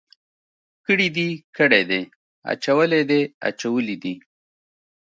کړي دي، کړی دی، اچولی دی، اچولي دي.